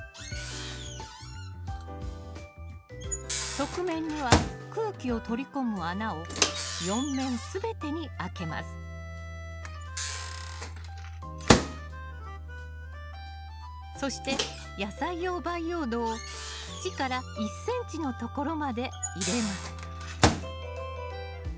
側面には空気を取り込む穴を４面全てにあけますそして野菜用培養土を縁から１ｃｍのところまで入れます